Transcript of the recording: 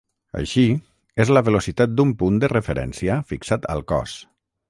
Així, és la velocitat d'un punt de referència fixat al cos.